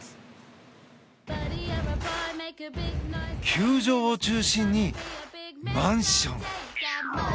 球場を中心にマンション。